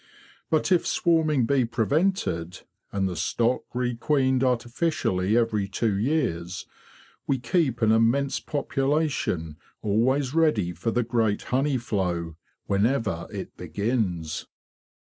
But if swarming be prevented, and the stock requeened artificially every two years, we keep an immense population always ready for the great honey flow, whenever it begins."